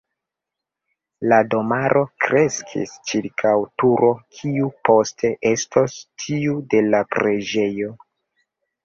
La domaro kreskis ĉirkaŭ turo, kiu poste estos tiu de la preĝejo.